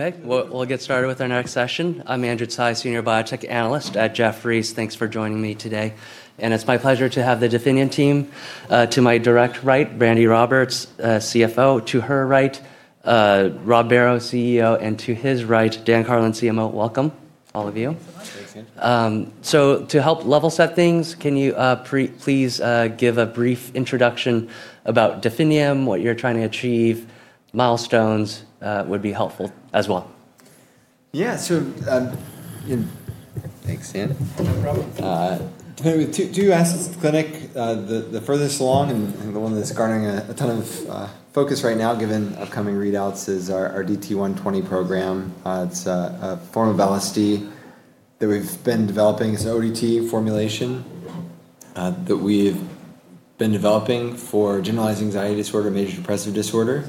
Okay. We'll get started with our next session. I'm Andrew Tsai, Senior Biotech Analyst at Jefferies. Thanks for joining me today, and it's my pleasure to have the Definium team. To my direct right, Brandi Roberts, CFO, to her right, Rob Barrow, CEO, and to his right, Dan Karlin, CMO. Welcome, all of you. Thanks for having us. Thanks, Andrew. To help level set things, can you please give a brief introduction about Definium, what you're trying to achieve? Milestones would be helpful as well. Yeah. Thanks, Dan. No problem. Two assets at the clinic. The furthest along and the one that's garnering a ton of focus right now given upcoming readouts is our DT120 program. It's a form of LSD that we've been developing. It's an ODT formulation that we've been developing for generalized anxiety disorder, major depressive disorder.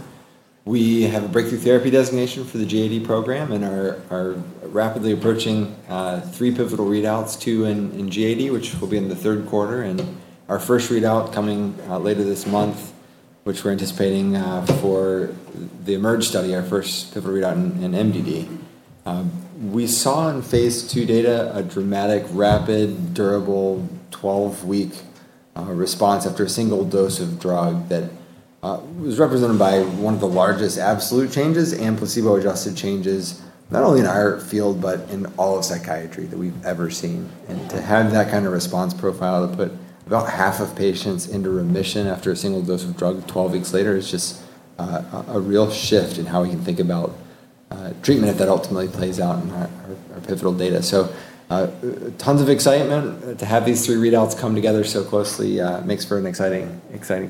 We have a breakthrough therapy designation for the GAD program and are rapidly approaching three pivotal readouts, two in GAD, which will be in the third quarter, and our first readout coming later this month, which we're anticipating for the Emerge study, our first pivotal readout in MDD. We saw in phase II data a dramatic, rapid, durable 12-week response after a single dose of drug that was represented by one of the largest absolute changes and placebo-adjusted changes, not only in our field, but in all of psychiatry that we've ever seen. To have that kind of response profile that put about half of patients into remission after a single dose of DT120 12 weeks later is just a real shift in how we can think about treatment if that ultimately plays out in our pivotal data. Tons of excitement to have these three readouts come together so closely makes for an exciting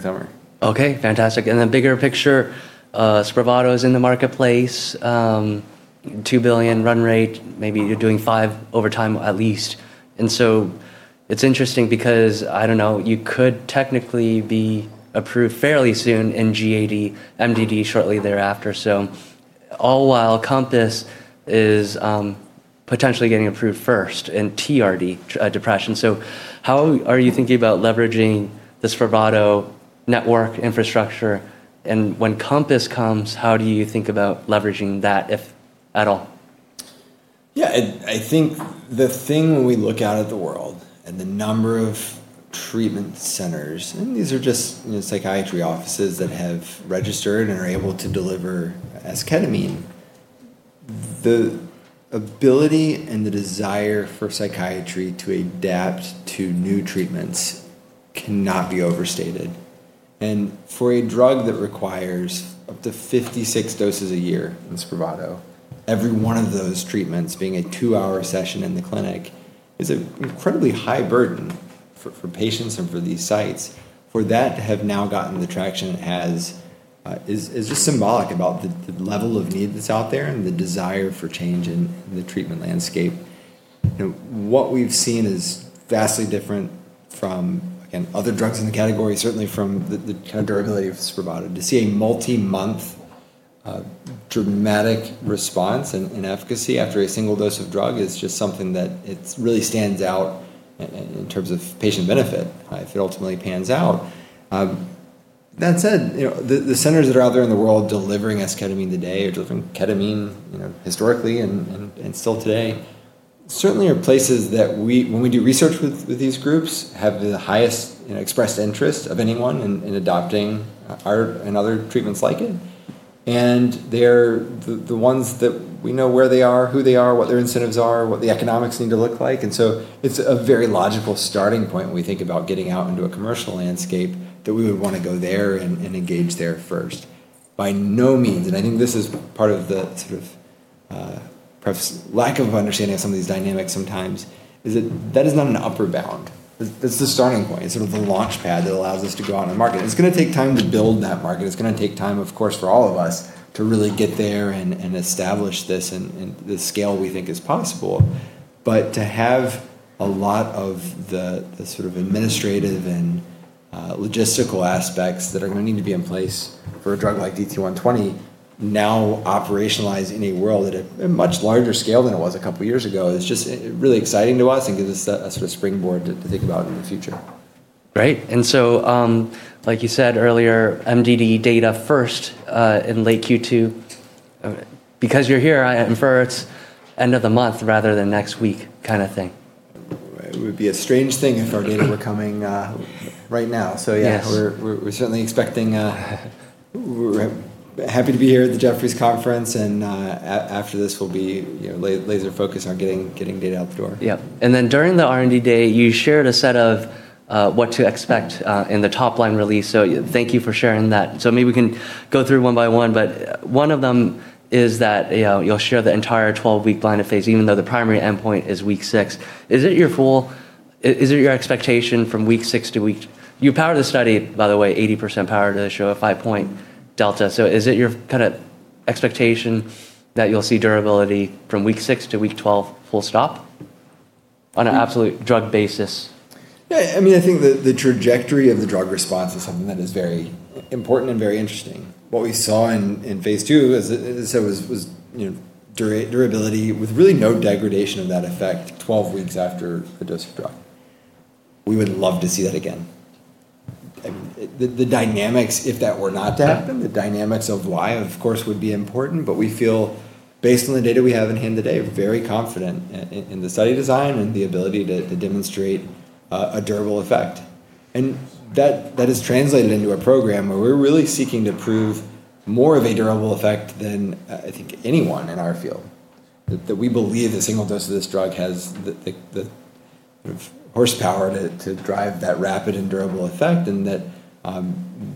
summer. Okay, fantastic. Then bigger picture, SPRAVATO is in the marketplace. $2 billion run rate, maybe you're doing $5 over time at least. It's interesting because, I don't know, you could technically be approved fairly soon in GAD, MDD shortly thereafter. All while Compass is potentially getting approved first in TRD depression. How are you thinking about leveraging the SPRAVATO network infrastructure and when Compass comes, how do you think about leveraging that, if at all? Yeah, I think the thing when we look out at the world and the number of treatment centers, and these are just psychiatry offices that have registered and are able to deliver esketamine. The ability and the desire for psychiatry to adapt to new treatments cannot be overstated. For a drug that requires up to 56 doses a year in SPRAVATO, every one of those treatments being a two-hour session in the clinic is an incredibly high burden for patients and for these sites. For that to have now gotten the traction is just symbolic about the level of need that's out there and the desire for change in the treatment landscape. What we've seen is vastly different from, again, other drugs in the category, certainly from the durability of SPRAVATO. To see a multi-month dramatic response and efficacy after a single dose of drug is just something that really stands out in terms of patient benefit if it ultimately pans out. That said, the centers that are out there in the world delivering esketamine today or delivering ketamine historically and still today, certainly are places that when we do research with these groups, have the highest expressed interest of anyone in adopting our and other treatments like it. They're the ones that we know where they are, who they are, what their incentives are, what the economics need to look like. It's a very logical starting point when we think about getting out into a commercial landscape that we would want to go there and engage there first. By no means, I think this is part of the sort of perhaps lack of understanding of some of these dynamics sometimes, is that that is not an upper bound. It's the starting point. It's sort of the launch pad that allows us to go out and market. It's going to take time to build that market. It's going to take time, of course, for all of us to really get there and establish this and the scale we think is possible. To have a lot of the sort of administrative and logistical aspects that are going to need to be in place for a drug like DT120 now operationalized in a world at a much larger scale than it was a couple of years ago, is just really exciting to us and gives us a sort of springboard to think about in the future. Great. Like you said earlier, MDD data first in late Q2. Because you're here, I infer it's end of the month rather than next week kind of thing. It would be a strange thing if our data were coming right now. Yes. Yeah, we're happy to be here at the Jefferies conference, and after this, we'll be laser focused on getting data out the door. Yep. During the R&D day, you shared a set of what to expect in the top line release. Thank you for sharing that. Maybe we can go through one by one, but one of them is that you'll share the entire 12-week blinded phase, even though the primary endpoint is week six. Is it your expectation. You powered the study, by the way, 80% powered it to show a five-point delta. That you'll see durability from week six to week 12 full stop on an absolute drug basis? Yeah, I think the trajectory of the drug response is something that is very important and very interesting. What we saw in phase II, as I said, was durability with really no degradation of that effect 12 weeks after a dose of drug. We would love to see that again. The dynamics, if that were not to happen, the dynamics of why, of course, would be important. We feel, based on the data we have in hand today, very confident in the study design and the ability to demonstrate a durable effect. That has translated into a program where we're really seeking to prove more of a durable effect than, I think, anyone in our field. We believe a single dose of this drug has the horsepower to drive that rapid and durable effect, and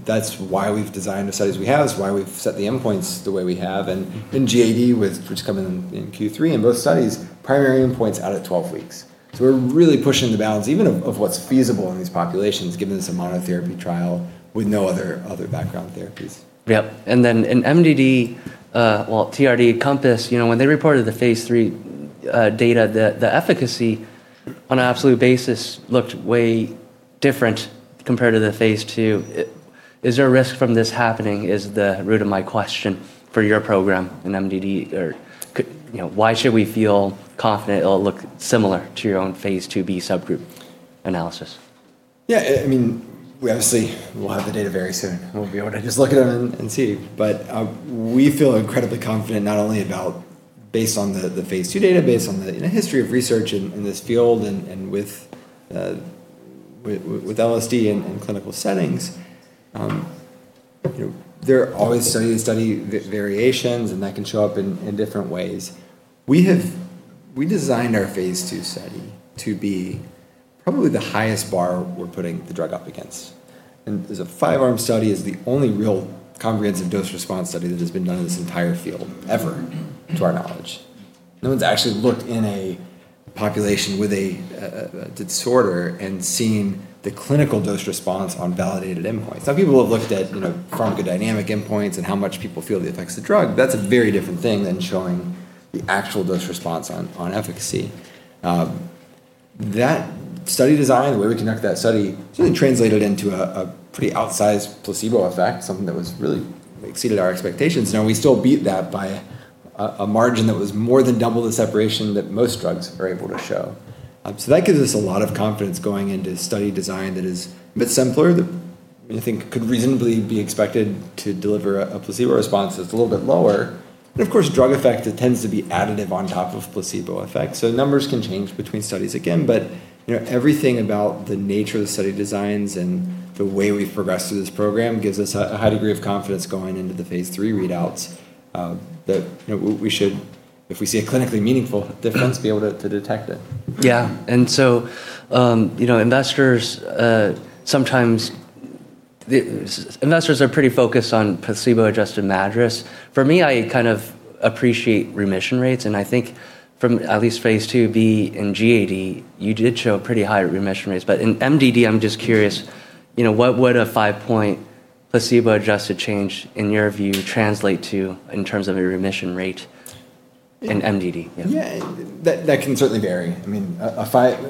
that's why we've designed the studies we have. That's why we've set the endpoints the way we have. In GAD, which is coming in Q3, in both studies, primary endpoints out at 12 weeks. We're really pushing the bounds even of what's feasible in these populations, given it's a monotherapy trial with no other background therapies. Yep. In MDD, well, TRD Compass, when they reported the phase III data, the efficacy on an absolute basis looked way different compared to the phase II. Is there a risk from this happening, is the root of my question for your program in MDD. Why should we feel confident it'll look similar to your own phase IIb subgroup analysis? Obviously, we'll have the data very soon. We'll be able to just look at it and see. We feel incredibly confident, not only based on the phase II data, based on the history of research in this field and with LSD in clinical settings. There are always study-to-study variations, and that can show up in different ways. We designed our phase II study to be probably the highest bar we're putting the drug up against. It's a five-arm study. It's the only real comprehensive dose response study that has been done in this entire field, ever, to our knowledge. No one's actually looked in a population with a disorder and seen the clinical dose response on validated endpoints. Some people have looked at pharmacodynamic endpoints and how much people feel the effects of the drug. That's a very different thing than showing the actual dose response on efficacy. That study design, the way we conducted that study, really translated into a pretty outsized placebo effect, something that really exceeded our expectations. We still beat that by a margin that was more than double the separation that most drugs are able to show. That gives us a lot of confidence going into study design that is a bit simpler, that I think could reasonably be expected to deliver a placebo response that's a little bit lower. Of course, drug effect tends to be additive on top of placebo effect. Numbers can change between studies again, but everything about the nature of the study designs and the way we've progressed through this program gives us a high degree of confidence going into the phase III readouts that we should, if we see a clinically meaningful difference, be able to detect it. Yeah. Sometimes investors are pretty focused on placebo-adjusted MADRS. For me, I kind of appreciate remission rates, and I think from at least phase II-B in GAD, you did show pretty high remission rates. In MDD, I'm just curious, what would a five-point placebo-adjusted change, in your view, translate to in terms of a remission rate in MDD? Yeah. Yeah. That can certainly vary.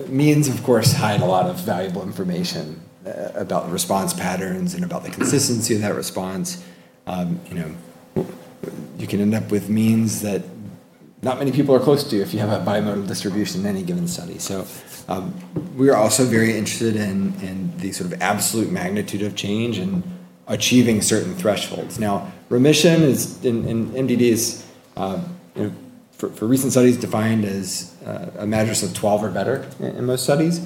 Means, of course, hide a lot of valuable information about response patterns and about the consistency of that response. You can end up with means that not many people are close to if you have a bimodal distribution in any given study. We are also very interested in the sort of absolute magnitude of change and achieving certain thresholds. Now, remission in MDD is, for recent studies, defined as a MADRS of 12 or better in most studies.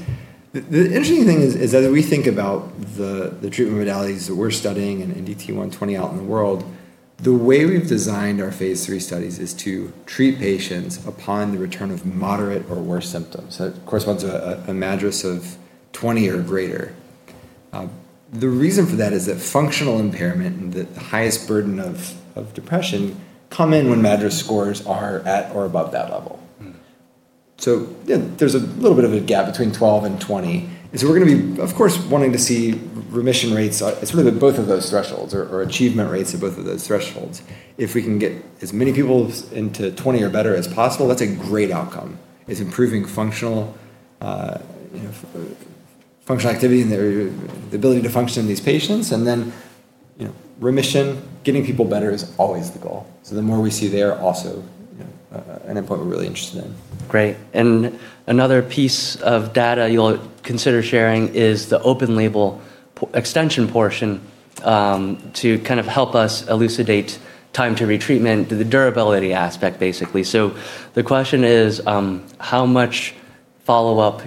The interesting thing is that as we think about the treatment modalities that we're studying in DT120 out in the world, the way we've designed our phase III studies is to treat patients upon the return of moderate or worse symptoms. That corresponds to a MADRS of 20 or greater. The reason for that is that functional impairment and the highest burden of depression come in when MADRS scores are at or above that level. Yeah, there's a little bit of a gap between 12 and 20. We're going to be, of course, wanting to see remission rates at sort of both of those thresholds, or achievement rates at both of those thresholds. If we can get as many people into 20 or better as possible, that's a great outcome. It's improving functional activity and the ability to function in these patients. Remission, getting people better is always the goal. The more we see there, also an endpoint we're really interested in. Great. Another piece of data you'll consider sharing is the open label extension portion to kind of help us elucidate time to retreatment, the durability aspect, basically. The question is, how much follow-up,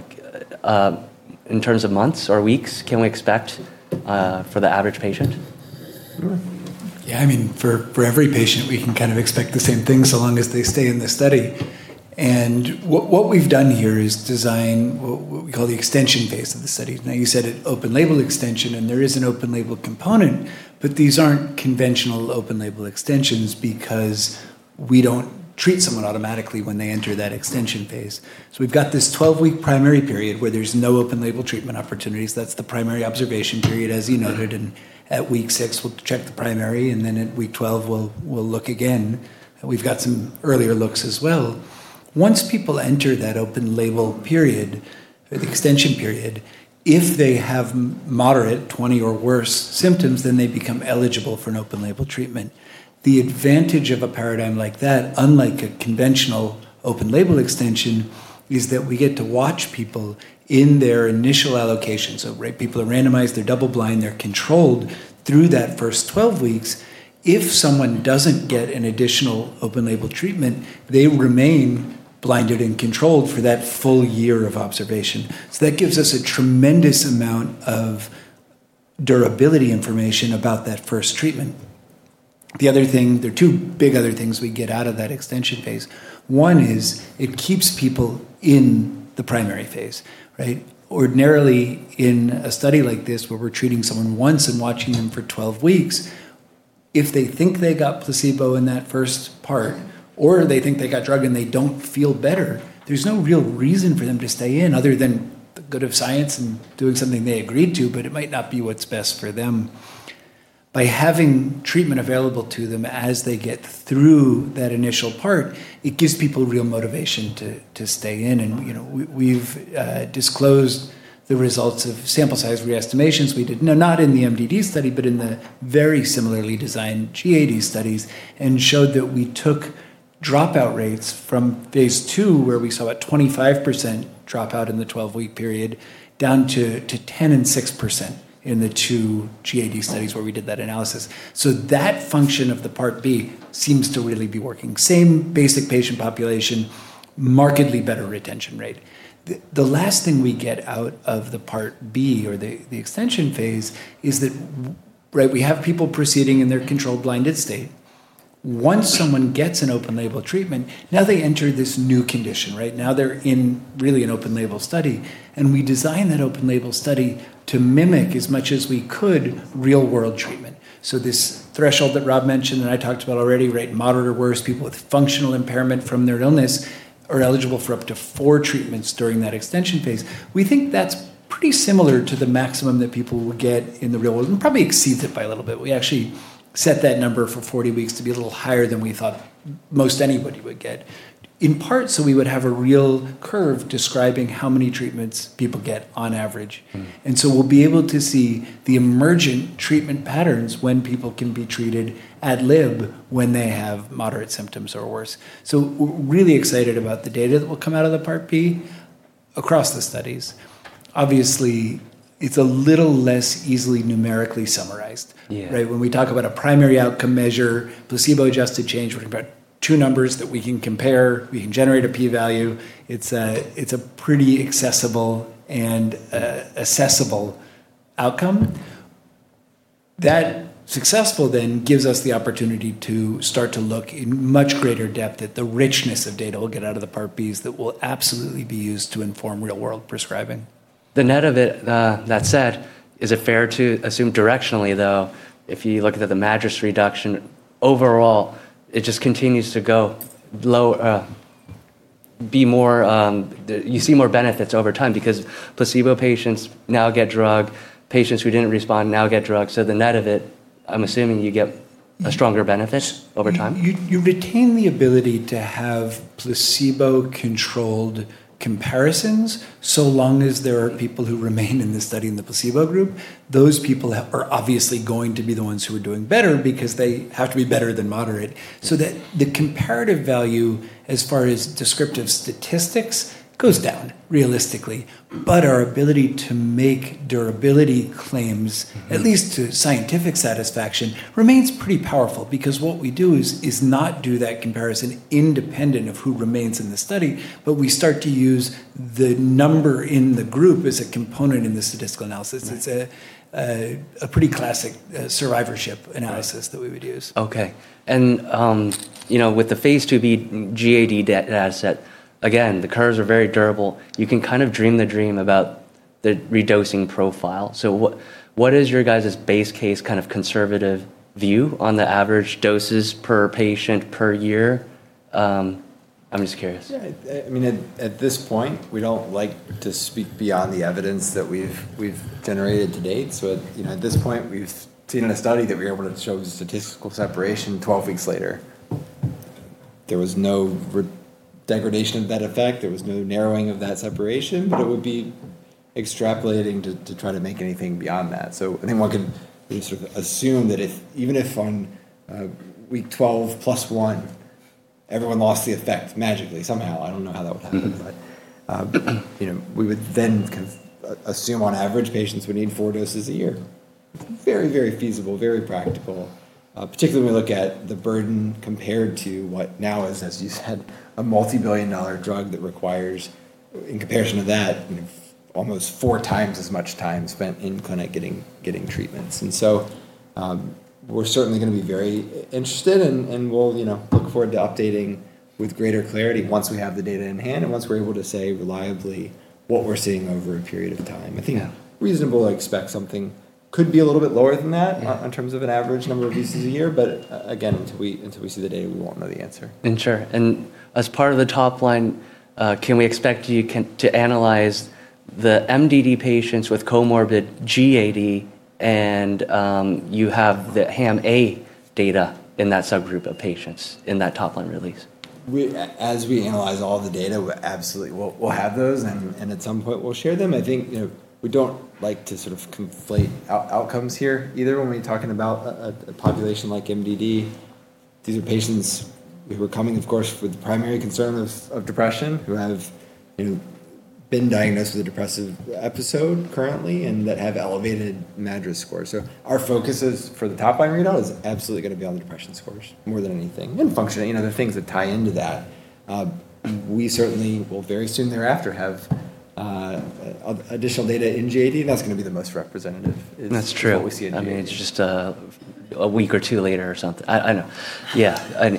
in terms of months or weeks, can we expect for the average patient? Sure. Yeah, for every patient, we can kind of expect the same thing, so long as they stay in the study. What we've done here is design what we call the extension phase of the study. You said an open label extension, and there is an open label component, but these aren't conventional open label extensions because we don't treat someone automatically when they enter that extension phase. We've got this 12-week primary period where there's no open label treatment opportunities. That's the primary observation period, as you noted. At week six, we'll check the primary, and then at week 12, we'll look again. We've got some earlier looks as well Once people enter that open label period, or the extension period, if they have moderate, 20 or worse symptoms, then they become eligible for an open label treatment. The advantage of a paradigm like that, unlike a conventional open label extension, is that we get to watch people in their initial allocation. Right, people are randomized, they're double blind, they're controlled through that first 12 weeks. If someone doesn't get an additional open label treatment, they remain blinded and controlled for that full year of observation. That gives us a tremendous amount of durability information about that first treatment. There are two big other things we get out of that extension phase. One is it keeps people in the primary phase. Right? Ordinarily, in a study like this where we're treating someone once and watching them for 12 weeks, if they think they got placebo in that first part, or they think they got drug and they don't feel better, there's no real reason for them to stay in other than the good of science and doing something they agreed to, but it might not be what's best for them. By having treatment available to them as they get through that initial part, it gives people real motivation to stay in, and we've disclosed the results of sample size re-estimations we did. No, not in the MDD study, but in the very similarly designed GAD studies and showed that we took dropout rates from phase II, where we saw a 25% dropout in the 12-week period, down to 10% and 6% in the two GAD studies where we did that analysis. That function of the part B seems to really be working. Same basic patient population, markedly better retention rate. The last thing we get out of the part B or the extension phase is that we have people proceeding in their controlled blinded state. Once someone gets an open label treatment, now they enter this new condition. Right? Now they're in really an open label study, and we design that open label study to mimic as much as we could real world treatment. This threshold that Rob mentioned and I talked about already, moderate or worse people with functional impairment from their illness are eligible for up to four treatments during that extension phase. We think that's pretty similar to the maximum that people would get in the real world, and probably exceeds it by a little bit. We actually set that number for 40 weeks to be a little higher than we thought most anybody would get, in part so we would have a real curve describing how many treatments people get on average. We'll be able to see the emergent treatment patterns when people can be treated ad lib when they have moderate symptoms or worse. We're really excited about the data that will come out of the part B across the studies. Obviously, it's a little less easily numerically summarized. Yeah. When we talk about a primary outcome measure, placebo-adjusted change, we're talking about two numbers that we can compare. We can generate a P value. It's a pretty accessible and assessable outcome. That successful then gives us the opportunity to start to look in much greater depth at the richness of data we'll get out of the part Bs that will absolutely be used to inform real world prescribing. The net of that said, is it fair to assume directionally, though, if you look at the MADRS reduction overall, it just continues to go low, you see more benefits over time because placebo patients now get drug, patients who didn't respond now get drug? The net of it, I'm assuming you get a stronger benefit over time. You retain the ability to have placebo-controlled comparisons, so long as there are people who remain in the study in the placebo group. Those people are obviously going to be the ones who are doing better because they have to be better than moderate. The comparative value as far as descriptive statistics goes down realistically. Our ability to make durability claims. at least to scientific satisfaction, remains pretty powerful because what we do is not do that comparison independent of who remains in the study, but we start to use the number in the group as a component in the statistical analysis.It's a pretty classic survivorship analysis. Right that we would use. Okay. With the phase II-B GAD dataset, again, the curves are very durable. You can kind of dream the dream about the redosing profile. What is your guys' base case kind of conservative view on the average doses per patient per year? I'm just curious. Yeah. At this point, we don't like to speak beyond the evidence that we've generated to date. At this point, we've seen in a study that we were able to show statistical separation 12 weeks later. There was no degradation of that effect. There was no narrowing of that separation, it would be extrapolating to try to make anything beyond that. I think one can sort of assume that even if on week 12+1, everyone lost the effect magically somehow, I don't know how that would happen. We would then kind of assume, on average, patients would need four doses a year. Very feasible, very practical. Particularly when we look at the burden compared to what now is, as you said, a multibillion-dollar drug that requires, in comparison to that, almost 4x as much time spent in clinic getting treatments. We're certainly going to be very interested, and we'll look forward to updating with greater clarity once we have the data in hand and once we're able to say reliably what we're seeing over a period of time. Yeah. I think reasonable to expect something could be a little bit lower than that. Yeah in terms of an average number of uses a year. Again, until we see the data, we won't know the answer. Sure. As part of the top line, can we expect you to analyze the MDD patients with comorbid GAD, and you have the HAM-A data in that subgroup of patients in that top line release? As we analyze all the data, absolutely, we'll have those, and at some point, we'll share them. I think we don't like to conflate outcomes here either when we're talking about a population like MDD. These are patients who are coming, of course, with the primary concern of depression, who have been diagnosed with a depressive episode currently, and that have elevated MADRS scores. Our focus for the top line readout is absolutely going to be on the depression scores more than anything, and functioning, the things that tie into that. We certainly will very soon thereafter have additional data in GAD. That's going to be the most representative. That's true. of what we see in GAD. It's just a week or two later or something. I know. Yeah.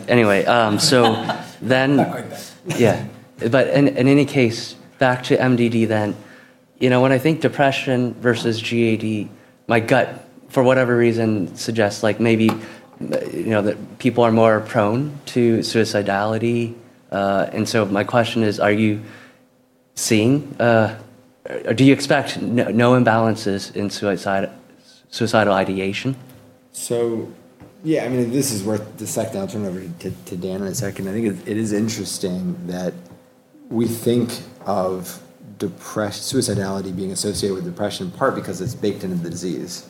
Anyway. Quite a bit. Yeah. In any case, back to MDD then. When I think depression versus GAD, my gut, for whatever reason, suggests maybe that people are more prone to suicidality. My question is, do you expect no imbalances in suicidal ideation? Yeah, this is worth dissect out. I'll turn it over to Dan in a second. I think it is interesting that we think of suicidality being associated with depression in part because it's baked into the disease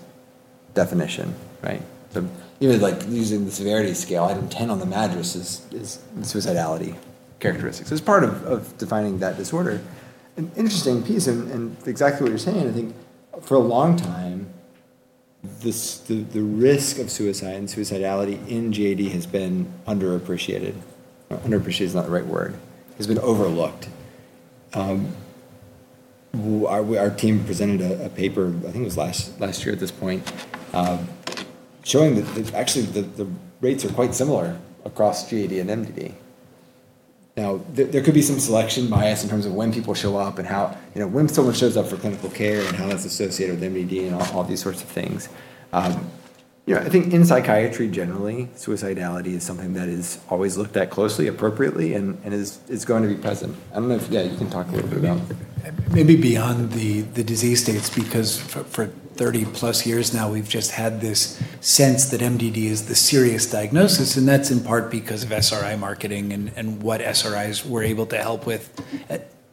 definition, right. Using the severity scale, item 10 on the MADRS is suicidality characteristics. It's part of defining that disorder. An interesting piece, and exactly what you're saying, I think for a long time, the risk of suicide and suicidality in GAD has been underappreciated. Underappreciated is not the right word. It's been overlooked. Our team presented a paper, I think it was last year at this point, showing that actually the rates are quite similar across GAD and MDD. There could be some selection bias in terms of when people show up, and when someone shows up for clinical care, and how that's associated with MDD and all these sorts of things. I think in psychiatry generally, suicidality is something that is always looked at closely, appropriately, and is going to be present. I don't know if, yeah, you can talk a little bit about that. Maybe beyond the disease states, because for 30+ years now, we've just had this sense that MDD is the serious diagnosis, and that's in part because of SRI marketing and what SRIs were able to help with.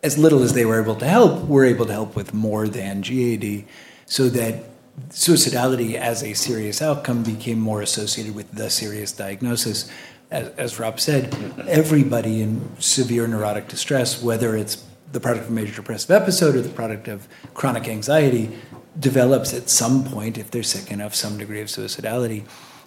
As little as they were able to help, were able to help with more than GAD, so that suicidality as a serious outcome became more associated with the serious diagnosis. As Rob said, everybody in severe neurotic distress, whether it's the product of a major depressive episode or the product of chronic anxiety, develops at some point, if they're sick enough, some degree of suicidality.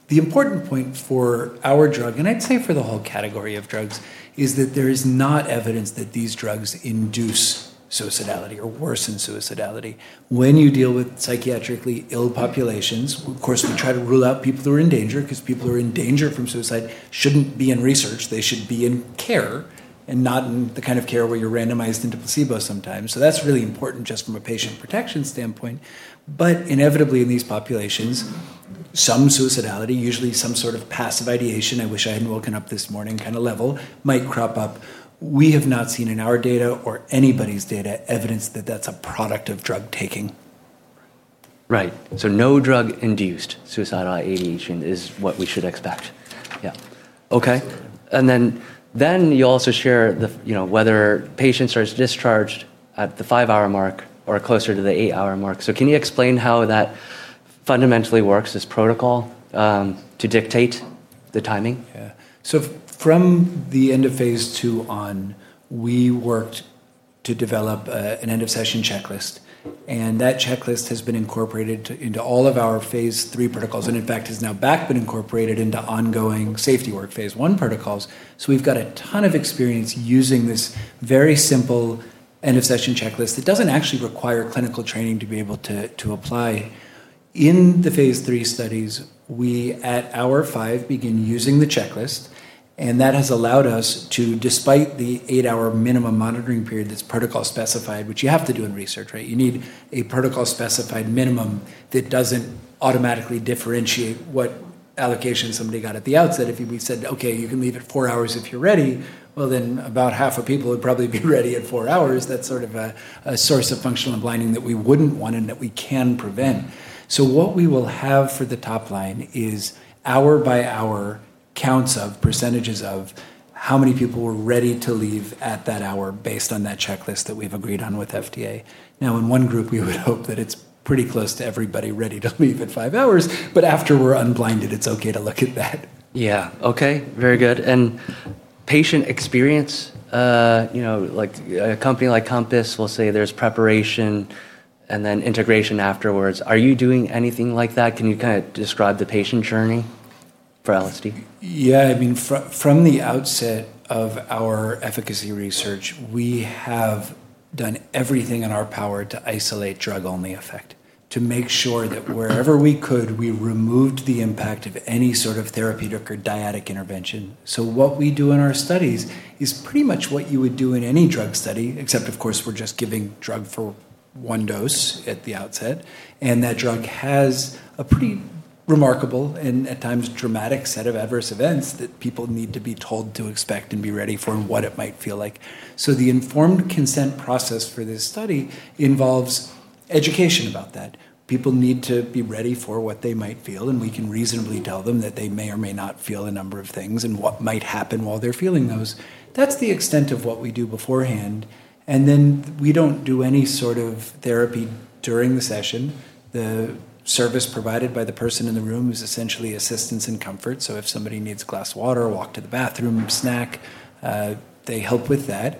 The important point for our drug, and I'd say for the whole category of drugs, is that there is not evidence that these drugs induce suicidality or worsen suicidality. When you deal with psychiatrically ill populations, of course, we try to rule out people who are in danger because people who are in danger from suicide shouldn't be in research. They should be in care, and not in the kind of care where you're randomized into placebo sometimes. That's really important just from a patient protection standpoint. Inevitably in these populations, some suicidality, usually some sort of passive ideation, "I wish I hadn't woken up this morning" kind of level, might crop up. We have not seen in our data or anybody's data evidence that that's a product of drug taking. Right. No drug-induced suicidal ideation is what we should expect. Yeah. Okay. You also share whether patients are discharged at the five-hour mark or closer to the eight-hour mark. Can you explain how that fundamentally works as protocol to dictate the timing? From the end of phase II on, we worked to develop an end of session checklist, and that checklist has been incorporated into all of our phase III protocols, and in fact, has now back been incorporated into ongoing safety work phase I protocols. We've got a ton of experience using this very simple end of session checklist that doesn't actually require clinical training to be able to apply. In the phase III studies, we, at hour five, begin using the checklist, and that has allowed us to, despite the eight-hour minimum monitoring period that's protocol specified, which you have to do in research, right? You need a protocol-specified minimum that doesn't automatically differentiate what allocation somebody got at the outset. If we said, "Okay, you can leave at four hours if you're ready," then about half of people would probably be ready at four hours. That's sort of a source of functional blinding that we wouldn't want and that we can prevent. What we will have for the top line is hour by hour counts of percentages of how many people were ready to leave at that hour based on that checklist that we've agreed on with FDA. In one group, we would hope that it's pretty close to everybody ready to leave at five hours. After we're unblinded, it's okay to look at that. Yeah. Okay. Very good. Patient experience, a company like Compass will say there's preparation and then integration afterwards. Are you doing anything like that? Can you kind of describe the patient journey for LSD? From the outset of our efficacy research, we have done everything in our power to isolate drug-only effect, to make sure that wherever we could, we removed the impact of any sort of therapeutic or dyadic intervention. What we do in our studies is pretty much what you would do in any drug study, except of course, we're just giving drug for one dose at the outset, and that drug has a pretty remarkable, and at times dramatic set of adverse events that people need to be told to expect and be ready for, and what it might feel like. The informed consent process for this study involves education about that. People need to be ready for what they might feel, and we can reasonably tell them that they may or may not feel a number of things, and what might happen while they're feeling those. That's the extent of what we do beforehand. Then we don't do any sort of therapy during the session. The service provided by the person in the room is essentially assistance and comfort. If somebody needs a glass of water, a walk to the bathroom, snack, they help with that.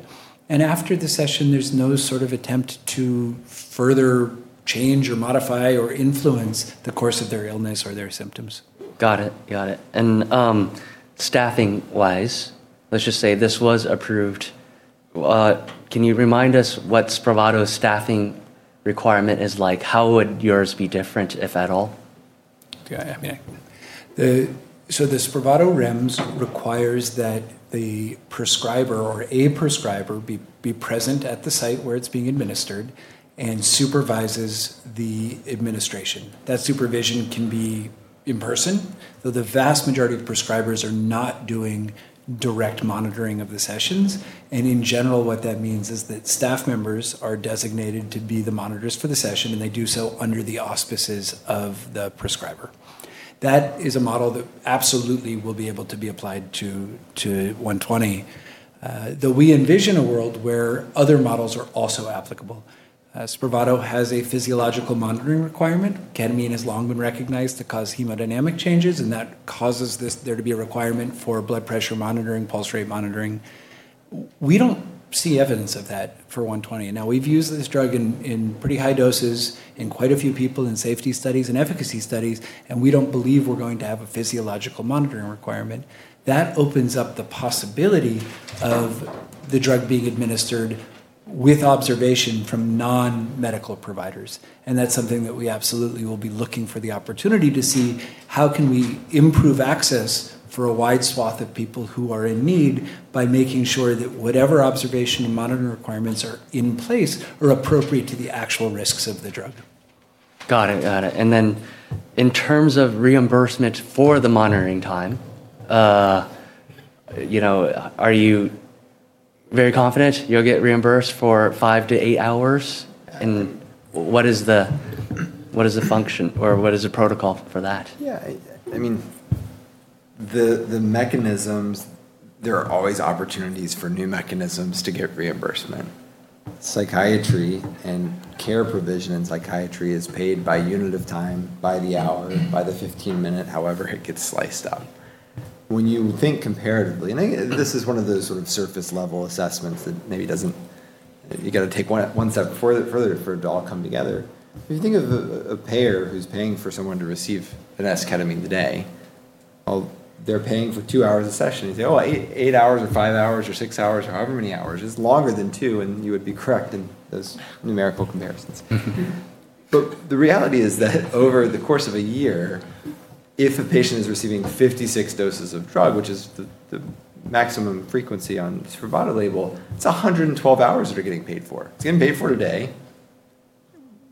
After the session, there's no sort of attempt to further change or modify or influence the course of their illness or their symptoms. Got it. Staffing wise, let's just say this was approved. Can you remind us what SPRAVATO's staffing requirement is like? How would yours be different, if at all? The SPRAVATO REMS requires that the prescriber, or a prescriber, be present at the site where it's being administered, and supervises the administration. That supervision can be in person, though the vast majority of prescribers are not doing direct monitoring of the sessions. In general, what that means is that staff members are designated to be the monitors for the session, and they do so under the auspices of the prescriber. That is a model that absolutely will be able to be applied to 120. Though we envision a world where other models are also applicable. SPRAVATO has a physiological monitoring requirement. ketamine has long been recognized to cause hemodynamic changes, and that causes there to be a requirement for blood pressure monitoring, pulse rate monitoring. We don't see evidence of that for 120. Now we've used this drug in pretty high doses in quite a few people in safety studies and efficacy studies, and we don't believe we're going to have a physiological monitoring requirement. That opens up the possibility of the drug being administered with observation from non-medical providers. That's something that we absolutely will be looking for the opportunity to see how can we improve access for a wide swath of people who are in need by making sure that whatever observation and monitoring requirements are in place are appropriate to the actual risks of the drug. Got it. In terms of reimbursement for the monitoring time, are you very confident you'll get reimbursed for five to eight hours? What is the function, or what is the protocol for that? Yeah. There are always opportunities for new mechanisms to get reimbursement. Psychiatry and care provision in psychiatry is paid by unit of time, by the hour, by the 15 minute, however it gets sliced up. When you think comparatively, this is one of those sort of surface level assessments that maybe you got to take one step further for it to all come together. If you think of a payer who's paying for someone to receive an esketamine today, they're paying for two hours a session. You say, "Oh, eight hours or five hours or six hours or however many hours is longer than two," you would be correct in those numerical comparisons. The reality is that over the course of a year, if a patient is receiving 56 doses of drug, which is the maximum frequency on the SPRAVATO label, it's 112 hours that are getting paid for. It's getting paid for today.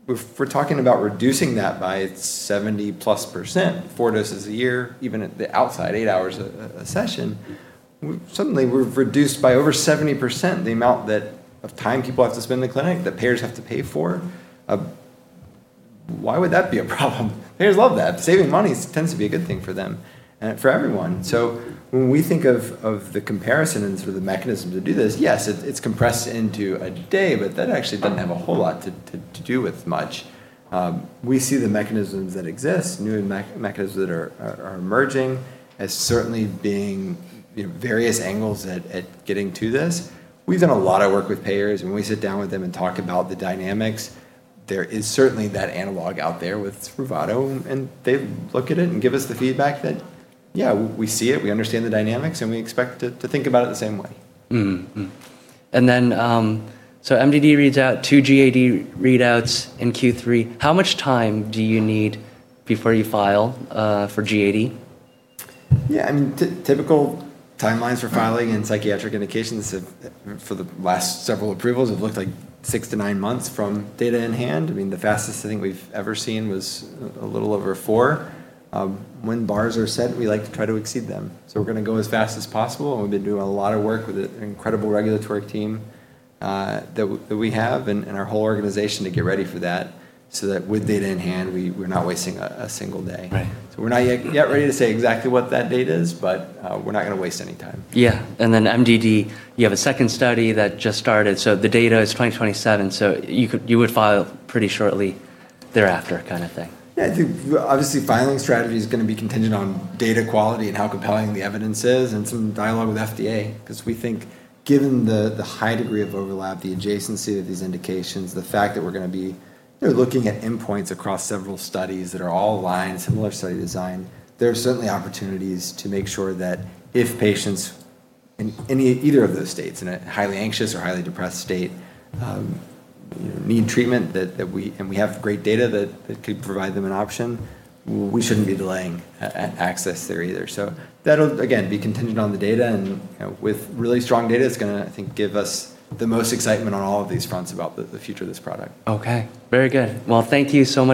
If we're talking about reducing that by 70%+, four doses a year, even at the outside eight hours a session, suddenly we've reduced by over 70% the amount of time people have to spend in the clinic, that payers have to pay for. Why would that be a problem? Payers love that. Saving money tends to be a good thing for them and for everyone. When we think of the comparison and sort of the mechanism to do this, yes, it's compressed into a day, but that actually doesn't have a whole lot to do with much. We see the mechanisms that exist, new mechanisms that are emerging, as certainly being various angles at getting to this. We've done a lot of work with payers, and when we sit down with them and talk about the dynamics, there is certainly that analog out there with SPRAVATO, and they look at it and give us the feedback that, "Yeah, we see it, we understand the dynamics, and we expect to think about it the same way. Mm-hmm. MDD reads out two GAD readouts in Q3. How much time do you need before you file for GAD? Yeah. Typical timelines for filing in psychiatric indications have, for the last several approvals, have looked like six to nine months from data in hand. The fastest I think we've ever seen was a little over four. When bars are set, we like to try to exceed them. We're going to go as fast as possible, and we've been doing a lot of work with an incredible regulatory team that we have and our whole organization to get ready for that, so that with data in hand, we're not wasting a single day. Right. We're not yet ready to say exactly what that date is, but we're not going to waste any time. Yeah. Then MDD, you have a second study that just started. The data is 2027. You would file pretty shortly thereafter kind of thing. Yeah. I think obviously filing strategy is going to be contingent on data quality and how compelling the evidence is and some dialogue with FDA. We think given the high degree of overlap, the adjacency of these indications, the fact that we're going to be looking at endpoints across several studies that are all aligned, similar study design. There are certainly opportunities to make sure that if patients in either of those states, in a highly anxious or highly depressed state, need treatment, and we have great data that could provide them an option, we shouldn't be delaying access there either. That'll, again, be contingent on the data, and with really strong data, it's going to, I think, give us the most excitement on all of these fronts about the future of this product. Okay. Very good. Thank you so.